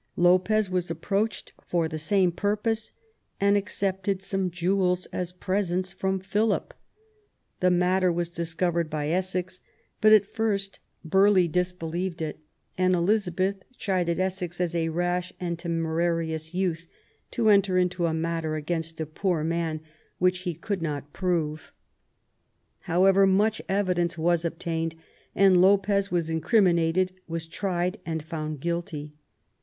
Lopez was approached for the same purpose, and accepted some jewels as presents from Philip. The matter was discovered by Essex, but, at first, Burghley disbelieved it, and Elizabeth chided Essex as " a rash and temerarious youth to enter into a matter against a poor man which he could not prove *'. However, more evidence was obtained, and Lopez was incriminated, was tried and found guilty.